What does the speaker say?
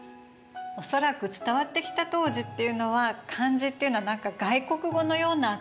恐らく伝わってきた当時っていうのは漢字っていうのは何か外国語のような扱いだったんでしょうかね。